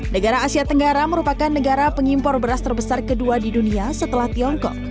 negara asia tenggara merupakan negara pengimpor beras terbesar kedua di dunia setelah tiongkok